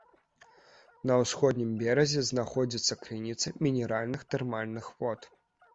На ўсходнім беразе знаходзіцца крыніца мінеральных тэрмальных вод.